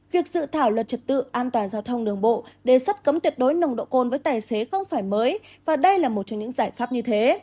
việc dự thảo luật trật tự an toàn giao thông đường bộ đề xuất cấm tuyệt đối nồng độ cồn với tài xế không phải mới và đây là một trong những giải pháp như thế